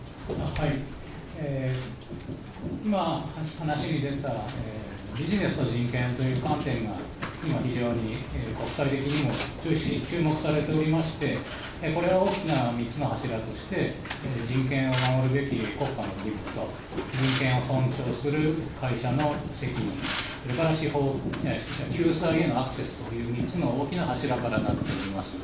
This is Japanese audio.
話に出たビジネスと人権という観点が非常に国際的にも注目されておりまして、これを大きな３つの柱として、人権を守るべき国家の義務と、人権を尊重する会社の責任に関して、救済へのアクセスという３つの大きな柱からなっております。